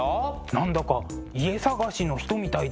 何だか家探しの人みたいだ。